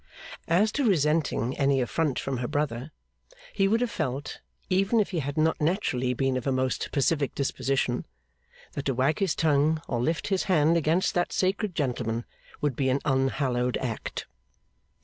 As to resenting any affront from her brother, he would have felt, even if he had not naturally been of a most pacific disposition, that to wag his tongue or lift his hand against that sacred gentleman would be an unhallowed act.